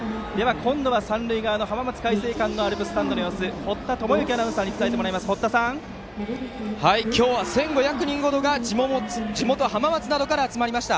今度は三塁側の浜松開誠館のアルプススタンドの様子を堀田智之アナウンサーに今日は１５００人程が地元・浜松などから集まりました。